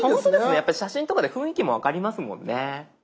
やっぱり写真とかで雰囲気も分かりますもんね。